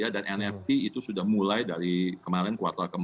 dan nft itu sudah mulai dari kemarin kuartal ke empat